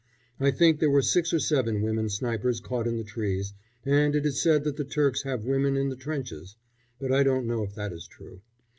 I think there were six or seven women snipers caught in the trees, and it is said that the Turks have women in the trenches; but I don't know if that is true.